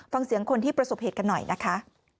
ฟังเสียงคนที่ประสบเหตุกันหน่อยนะคะ